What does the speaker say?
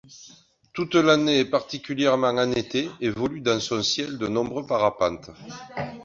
Toute l'année et particulièrement en été, évoluent dans son ciel de nombreux parapentes.